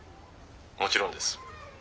もちろんです。